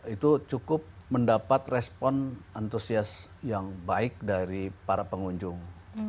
itu cukup mendapat respon antusias yang baik dari para pengunjung